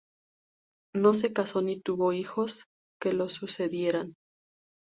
No se casó ni tuvo hijos que lo sucedieran.